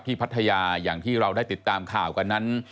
พัทยาอย่างที่เราได้ติดตามข่าวกันนั้น